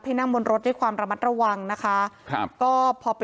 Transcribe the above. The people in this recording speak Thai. ให้นั่งบนรถด้วยความระมัดระวังนะคะก็พอไปถึงถ้าใครที่ทำงาน